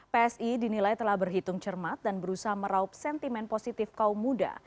psi dinilai telah berhitung cermat dan berusaha meraup sentimen positif kaum muda